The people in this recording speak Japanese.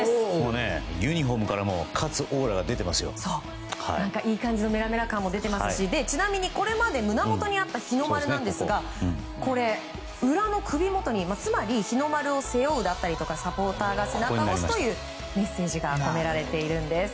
ユニホームからいい感じのメラメラ感が出ていますしちなみにこれまで胸元にあった日の丸ですが裏の首元につまり、日の丸を背負うだったりサポーターが背中を押すというメッセージが込められています。